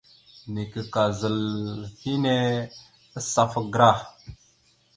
Neke ka zal henne asafa gərah.